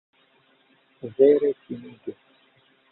Vere timige!